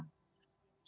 sejauh ini tidak ada